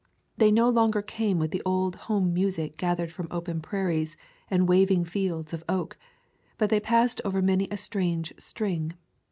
They no longer came with the old home music gathered from open prairies and waving fields of oak, but they passed over many a strange string.